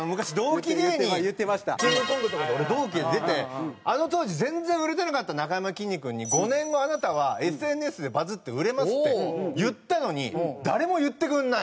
キングコングとかと俺同期で出てあの当時全然売れてなかったなかやまきんに君に「５年後あなたはＳＮＳでバズって売れます」って言ったのに誰も言ってくれない。